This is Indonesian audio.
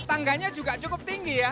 tangganya juga cukup tinggi ya